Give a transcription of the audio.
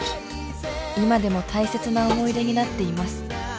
「今でも大切な思い出になっています」